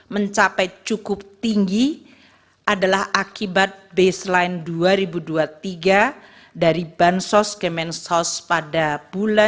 mencapai cukup tinggi adalah akibat baseline dua ribu dua puluh tiga dari bansos kemensos pada bulan